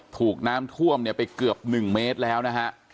ถูกน้ำท่วมเนี่ยไปเกือบ๑เมตรแล้วนะฮะ